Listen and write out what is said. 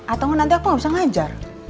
atau nanti aku gak bisa ngajar